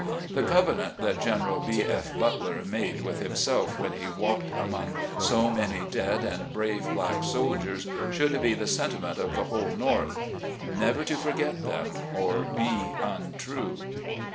The covenant that General B. F Butler made 72 SLAVE CABIN TO PULPIT. with himself when he walked among so many dead and brave black soldiers, should be the sentiment of the whole North ; never to forget them, or be untrue.